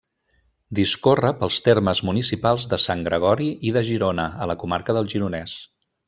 Discorre pels termes municipals de Sant Gregori i de Girona, a la comarca del Gironès.